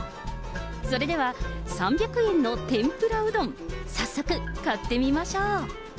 それでは３００円の天ぷらうどん、早速買ってみましょう。